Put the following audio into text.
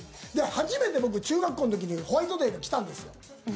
初めて僕、中学校の時にホワイトデーが来たんですよ。